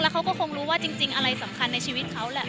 เขาก็คงรู้ว่าจริงอะไรสำคัญในชีวิตเขาแหละ